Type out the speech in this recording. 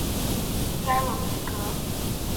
加入民革。